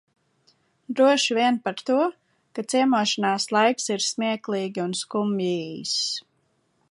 Droši vien par to, ka ciemošanās laiks ir smieklīgi un skumji īss.